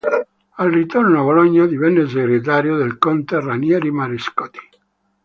Al ritorno a Bologna divenne segretario del conte Rinieri Marescotti.